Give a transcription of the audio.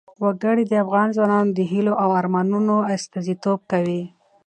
وګړي د افغان ځوانانو د هیلو او ارمانونو استازیتوب کوي.